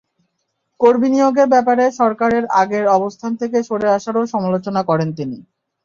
কর্মী নিয়োগের ব্যাপারে সরকারের আগের অবস্থান থেকে সরে আসারও সমালোচনা করেন তিনি।